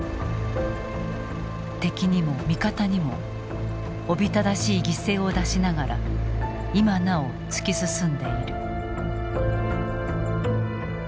敵にも味方にもおびただしい犠牲を出しながら今なお突き進んでいる。